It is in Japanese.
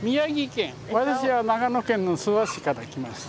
私は長野県の諏訪市から来ました。